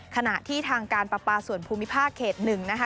ขณะที่ทางการประปาส่วนภูมิภาคเขต๑นะคะ